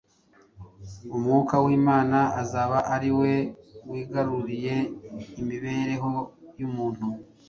Umwuka w’Imana azaba ari we wigaruriye imibereho y’umuntu.